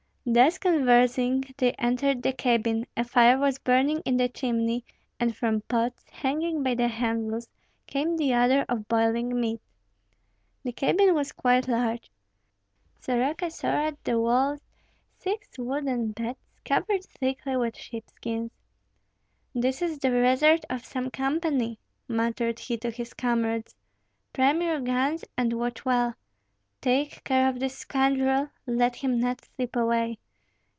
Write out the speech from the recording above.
Thus conversing, they entered the cabin; a fire was burning in the chimney, and from pots, hanging by the handles, came the odor of boiling meat. The cabin was quite large. Soroka saw at the walls six wooden beds, covered thickly with sheepskins. "This is the resort of some company," muttered he to his comrades. "Prime your guns and watch well. Take care of this scoundrel, let him not slip away.